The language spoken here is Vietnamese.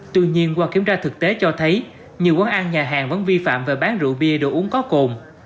tuy nhiên qua kiểm tra thực tế cho thấy nhiều quán ăn nhà hàng vẫn vi phạm về bán rượu bia đồ uống có cồn